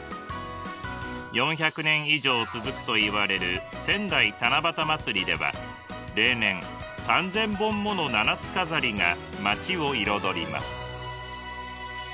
４００年以上続くといわれる仙台七夕まつりでは例年３，０００本もの七つ飾りが街を彩ります。